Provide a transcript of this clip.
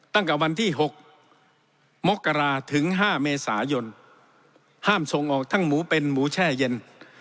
ตั้งแต่วันที่๖มกราถึง๕เมษายนห้ามส่งออกทั้งหมูเป็นหมูแช่เย็น